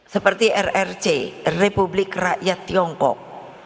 seperti rrc republik rakyat tiongkok